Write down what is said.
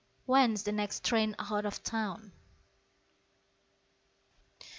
When's the next train out of town?